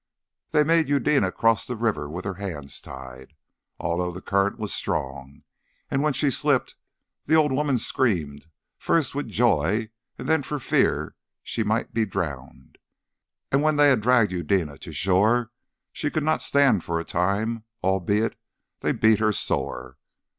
They made Eudena cross the river with her hands tied, although the current was strong and when she slipped the old woman screamed, first with joy and then for fear she might be drowned. And when they had dragged Eudena to shore, she could not stand for a time, albeit they beat her sore.